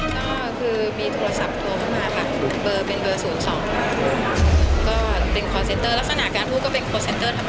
วันนี้แกล้งจะเป็นแขนมาตรายมากครับ